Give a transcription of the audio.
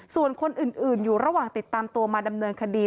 ส่วนคนอื่นอยู่ระหว่างติดตามตัวมาดำเนินคดี